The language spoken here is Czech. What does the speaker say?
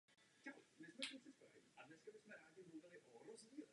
Skončilo také držení dědičného císařského titulu v jednom rodě.